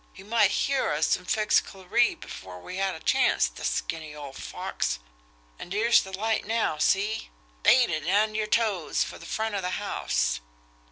He might hear us an' fix Clarie before we had a chanst, the skinny old fox! An' dere's the light now see! Beat it on yer toes fer the front of the house!"